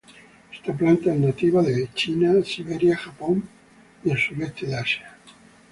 Esta planta es nativa del China, Siberia, Japón y el sudeste de Asia.